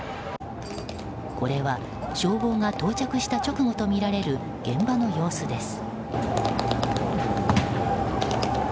これは消防が到着した直後とみられる現場の様子です。